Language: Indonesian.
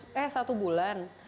sebenarnya baru seratus eh satu bulan